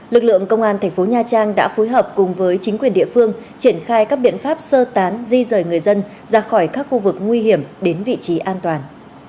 lực lượng công an thành phố nha trang đã phối hợp cùng với chính quyền địa phương triển khai các biện pháp sơ tán di rời người dân ra khỏi các khu vực nguy hiểm đến vị trí an toàn